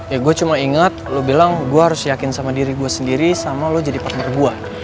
ya gue cuma inget lo bilang gue harus yakin sama diri gue sendiri sama lo jadi partner gue